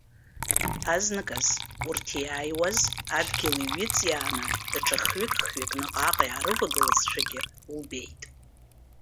Азныказ, урҭ иааиуаз, адгьыл иҩыҵиааны, даҽа хҩык-хҩык наҟ-ааҟ иаарывагылазшәагьы лбеит.